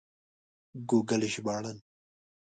ګوګل ژباړن